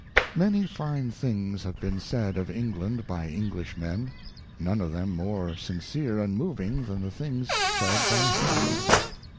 * Many fine things have been said of England by English men ; none of them more sincere and moving than the things said by Halifax.